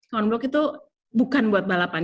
count block itu bukan buat balapan